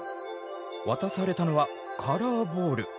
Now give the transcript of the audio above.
渡されたのはカラーボール。